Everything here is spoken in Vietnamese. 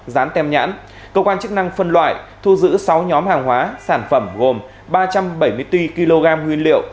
dán tem nhãn công an chức năng phân loại thu giữ sáu nhóm hàng hóa sản phẩm gồm ba trăm bảy mươi tỷ kg nguyên liệu